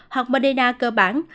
hoặc moderna cơ bản